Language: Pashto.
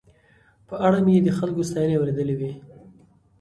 په اړه مې یې د خلکو ستاينې اورېدلې وې.